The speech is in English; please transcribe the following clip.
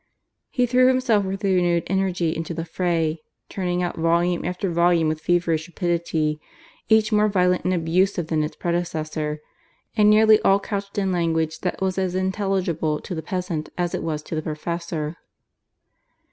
He threw himself with renewed energy into the fray, turning out volume after volume with feverish rapidity, each more violent and abusive than its predecessor, and nearly all couched in language that was as intelligible to the peasant as it was to the professor.